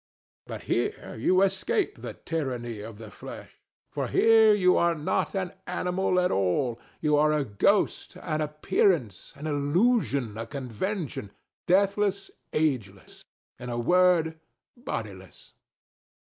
But here you escape the tyranny of the flesh; for here you are not an animal at all: you are a ghost, an appearance, an illusion, a convention, deathless, ageless: in a word, bodiless.